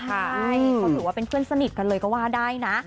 ใช่เขาถือว่าเป็นเพื่อนสนิทกันเลยก็ว่าได้นะ